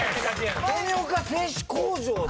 「富岡製糸工場」と。